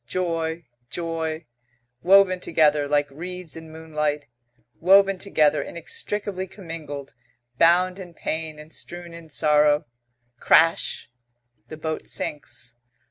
Joy, joy. Woven together, like reeds in moonlight. Woven together, inextricably commingled, bound in pain and strewn in sorrow crash! The boat sinks.